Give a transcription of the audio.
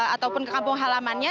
ataupun ke kampung halamannya